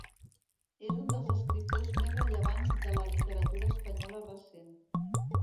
És un dels escriptors més rellevants de la literatura espanyola recent.